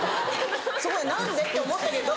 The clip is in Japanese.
そこで何で？って思ったけど。